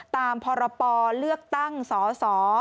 ตามพรปเลือกตั้งสส